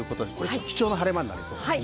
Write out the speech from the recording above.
貴重な晴れ間になりそうです。